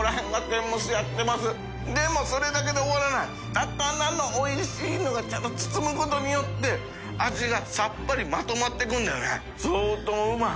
高菜のおいしいのが舛磴鵑包むことによってさっぱりまとまっていくんだよね。